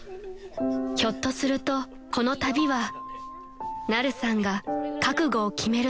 ［ひょっとするとこの旅はナルさんが覚悟を決める旅］